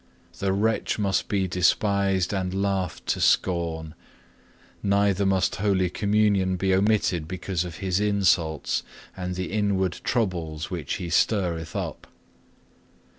The wretch must be despised and laughed to scorn: neither must Holy Communion be omitted because of his insults and the inward troubles which he stirreth up.